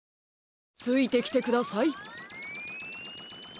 ついてきてください。